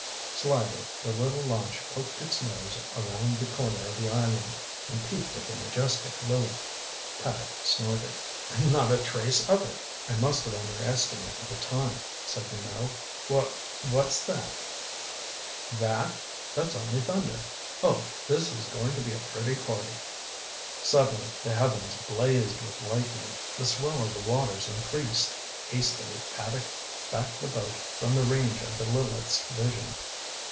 Slyly the little launch poked its nose around the corner of the island and peeped at the majestic Lileth. Paddock snorted. "Not a trace of it." "I must have underestimated the time," said Minot. "Wha what's that?" "That? That's only thunder. Oh, this is going to be a pretty party!" Suddenly the heavens blazed with lightning. The swell of the waters increased. Hastily Paddock backed the boat from the range of the Lileth's vision.